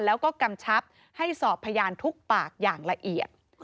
แล้วก็กำชับให้สอบพยานทุกปากอย่างละเอียด